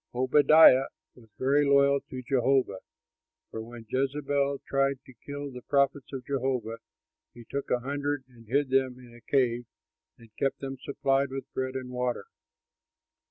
Obadiah was very loyal to Jehovah; for when Jezebel tried to kill the prophets of Jehovah, he took a hundred and hid them in a cave and kept them supplied with bread and water.